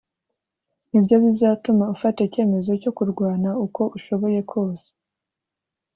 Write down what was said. ni byo bizatuma ufata icyemezo cyo kurwana uko ushoboye kose